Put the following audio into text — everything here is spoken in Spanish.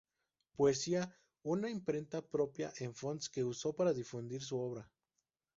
Poesía una imprenta propia en Fonz, que usó para difundir su obra.